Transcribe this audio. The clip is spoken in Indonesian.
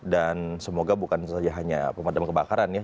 dan semoga bukan saja hanya pemadam kebakaran ya